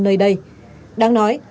nơi đây đang nói